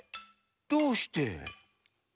どうして？